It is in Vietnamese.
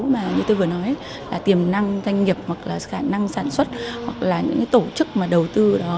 mà như tôi vừa nói là tiềm năng doanh nghiệp hoặc là khả năng sản xuất hoặc là những cái tổ chức mà đầu tư đó